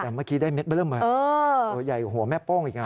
แต่เมื่อกี้ได้เม็ดเบลื้อเมื่อตัวใหญ่กว่าหัวแม่โป้งอีกแล้ว